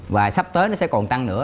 và sắp tới nó sẽ còn tăng nữa